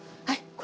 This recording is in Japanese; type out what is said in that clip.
はい。